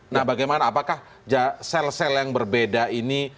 nah bagaimana apakah sel sel yang berbeda ini